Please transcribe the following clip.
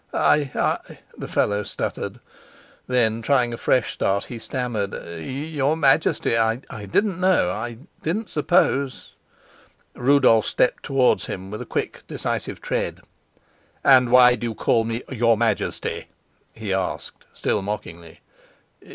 "I I " the fellow stuttered. Then trying a fresh start, he stammered, "Your Majesty, I didn't know I didn't suppose " Rudolf stepped towards him with a quick, decisive tread. "And why do you call me 'Your Majesty'?" he asked, still mockingly.